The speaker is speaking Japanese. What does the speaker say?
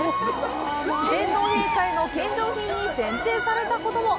天皇陛下への献上品に選定されたことも。